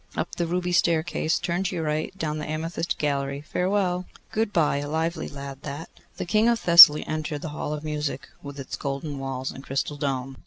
'Up the ruby staircase, turn to your right, down the amethyst gallery. Farewell!' 'Good bye; a lively lad that!' The King of Thessaly entered the Hall of Music with its golden walls and crystal dome.